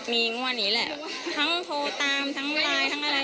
มีงวดนี้แหละทั้งโทรตามทั้งไลน์ทั้งอะไร